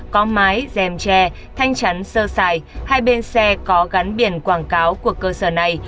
có mái dèm tre thanh chắn sơ xài hai bên xe có gắn biển quảng cáo của cơ sở này